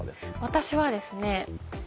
私はですね